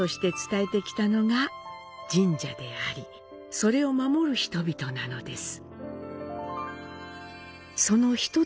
それを守る人々なのです。